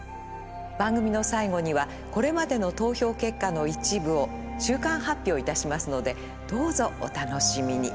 番組の最後にはこれまでの投票結果の一部を中間発表いたしますのでどうぞお楽しみに。